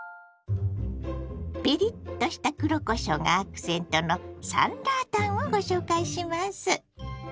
ピリッとした黒こしょうがアクセントの酸辣湯をご紹介します。